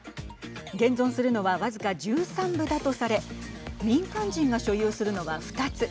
現存するのは僅か１３部だとされ民間人が所有するのは２つ。